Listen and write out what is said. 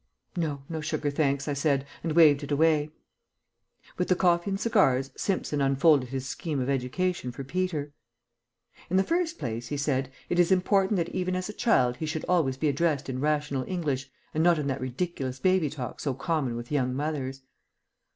"No, no sugar, thanks," I said, and waved it away. With the coffee and cigars Simpson unfolded his scheme of education for Peter. "In the first place," he said, "it is important that even as a child he should always be addressed in rational English and not in that ridiculous baby talk so common with young mothers."